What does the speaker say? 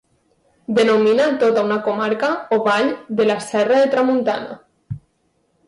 Denomina tota una comarca o vall de la Serra de Tramuntana.